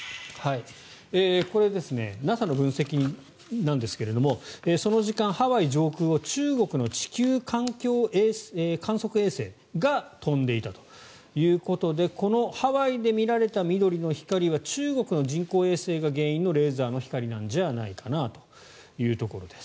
これはＮＡＳＡの分析なんですがその時間、ハワイ上空を中国の地球環境観測衛星が飛んでいたということでこのハワイで見られた緑の光は中国の人工衛星が原因のレーザーの光なんじゃないかなというところです。